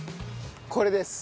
これです。